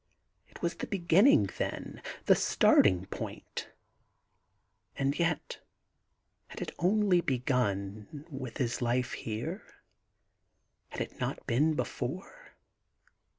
It was the begin ning, then — ^the starting point And yet — had it only begun with his life here ? Had it not been before